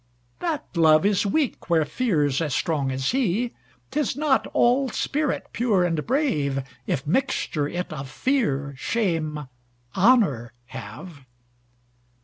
That Love is weak where Fear's as strong as he;'Tis not all spirit pure and brave, If mixture it of Fear, Shame, Honour have.